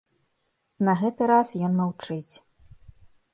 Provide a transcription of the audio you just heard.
На гэты раз ён маўчыць.